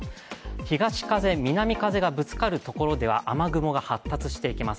東風、南風がぶつかるところでは雨雲が発達していきます。